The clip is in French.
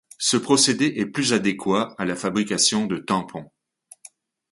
Ce procédé est le plus adéquat à la fabrication de tampons.